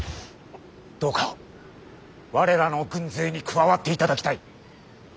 どうか我らの軍勢に加わっていただきたい。